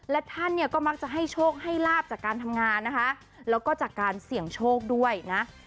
และท่านเนี่ยก็มักจะให้โชคให้ลาบจากการทำงานนะคะแล้วก็จากการเสี่ยงโชคด้วยนะ